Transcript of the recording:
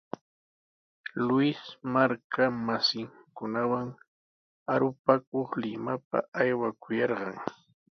Luis marka masinkunawan arupakuq Limapa aywakuyarqan.